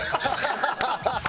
ハハハハ！